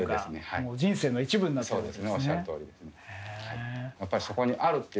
人生の一部になってるんですね